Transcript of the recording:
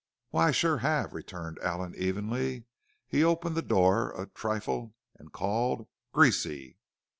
"Why, I sure have!" returned Allen evenly. He opened the door a trifle and called: "Greasy!"